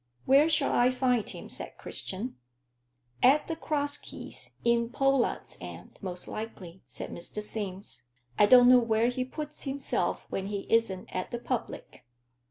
"Where shall I find him?" said Christian. "At the Cross Keys, in Pollard's End, most likely," said Mr. Sims. "I don't know where he puts himself when he isn't at the public."